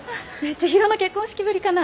千広の結婚式ぶりかな。